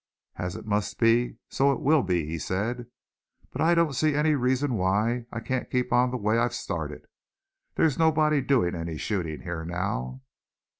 "As it must be, so it will be," he said. "But I don't see any reason why I can't keep on the way I've started. There's nobody doing any shooting here now."